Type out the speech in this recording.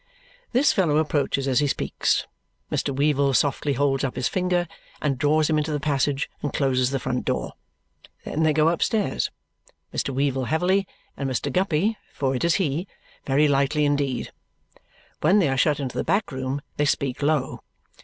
This fellow approaches as he speaks. Mr. Weevle softly holds up his finger, and draws him into the passage, and closes the street door. Then they go upstairs, Mr. Weevle heavily, and Mr. Guppy (for it is he) very lightly indeed. When they are shut into the back room, they speak low.